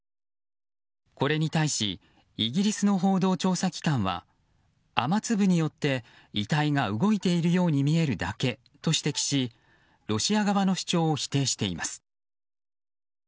これに対しイギリスの報道調査機関は雨粒によって、遺体が動いているように見えるだけと指摘しロシア側の主張を否定しています。